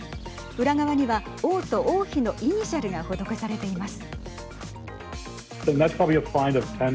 裏側には王と王妃のイニシャルが施されています。